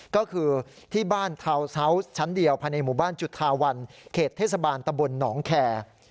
ก็คือที่บ้านทาวน์ซาวส์ชั้นเดียวภายในหมู่บ้านจุธาวันเขตเทศบาลตะบลหนองแคร์